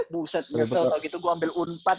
buset nyesel waktu itu gue ambil unpat